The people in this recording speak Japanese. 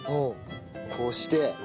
こうして。